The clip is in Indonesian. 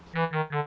siapa yang nyuruh